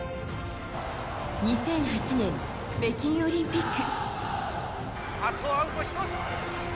２００８年、北京オリンピック。